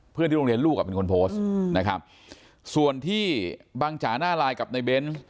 เพื่อนที่โรงเรียนลูกเป็นคนโพสต์ส่วนที่บางจาน่ารายกับนายเบ้น